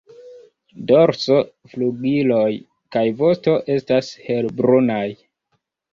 Dorso, flugiloj kaj vosto estas helbrunaj.